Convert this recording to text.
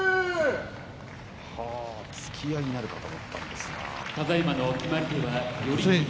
突き合いになるかと思ったんですけども。